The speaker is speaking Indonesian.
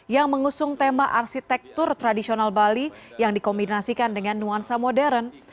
yang mengusung tema arsitektur tradisional bali yang dikombinasikan dengan nuansa modern